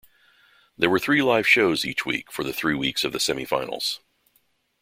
There were three live shows each week for the three weeks of the semifinals.